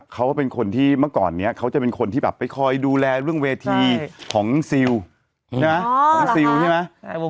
เขาเป็นคนที่เมื่อก่อนนี้เขาจะเป็นคนที่แบบไปคอยดูแลเรื่องเวทีของซิลของซิลใช่ไหม